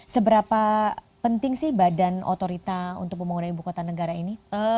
seberapa penting sih badan otorita untuk pembangunan ibu kota negara ini